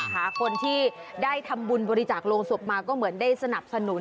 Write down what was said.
หาคนที่ได้ทำบุญบริจาคโรงศพมาก็เหมือนได้สนับสนุน